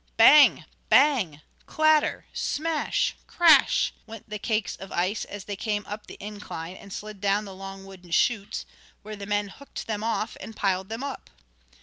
"Bang! Bang! Clatter! Smash! Crash!" went the cakes of ice as they came up the incline, and slid down the long wooden chutes, where the men hooked them off and piled them up.